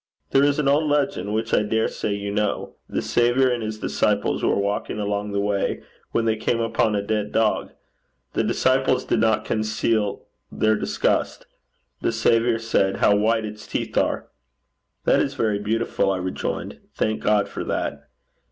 There is an old legend which I dare say you know. The Saviour and his disciples were walking along the way, when they came upon a dead dog. The disciples did not conceal their disgust. The Saviour said: "How white its teeth are!"' 'That is very beautiful,' I rejoined. 'Thank God for that.